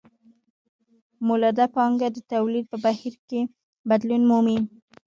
مولده پانګه د تولید په بهیر کې بدلون مومي